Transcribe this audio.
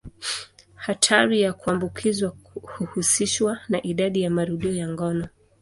Hatari ya kuambukizwa huhusishwa na idadi ya marudio ya ngono.